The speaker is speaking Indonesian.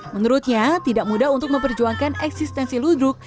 menurutnya tidak mudah untuk memperjuangkan eksistensi ludruk